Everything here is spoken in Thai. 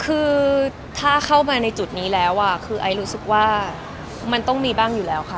คือถ้าเข้ามาในจุดนี้แล้วคือไอซ์รู้สึกว่ามันต้องมีบ้างอยู่แล้วค่ะ